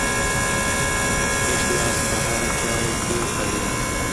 اخلاص په هره چاره کي اړين دی.